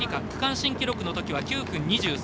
区間新記録のときは９分２３。